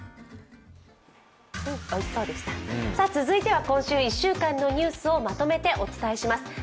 続いては今週１週間のニュースをまとめてお伝えします。